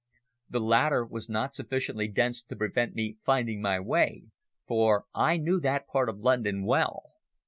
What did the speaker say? The latter was not sufficiently dense to prevent me finding my way, for I knew that part of London well.